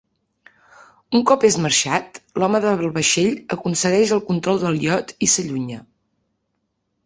Un cop és marxat, l'home del vaixell aconsegueix el control del iot i s'allunya.